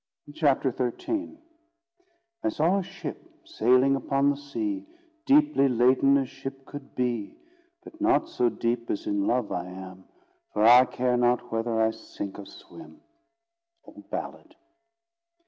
CHAPTER XIII "I saw a ship sailing upon the sea Deeply laden as ship could be; But not so deep as in love I am For I care not whether I sink or swim." OLD BALLAD.